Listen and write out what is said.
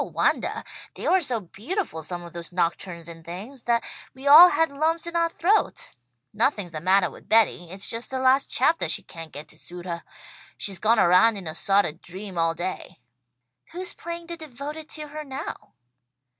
"No wondah! They were so beautiful, some of those nocturnes and things, that we all had lumps in our throats. Nothing's the mattah with Betty. It's just the last chaptah she can't get to suit her. She's gone around in a sawt of dream all day." "Who's playing the devoted to her now?"